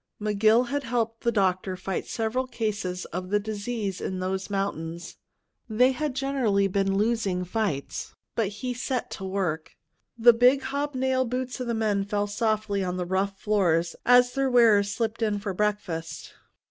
McGill had helped the doctor fight several cases of the disease in those mountains. They had generally been losing fights, but he set to work. The big, hobnailed boots of the men fell softly on the rough floors as their wearers slipped in for breakfast.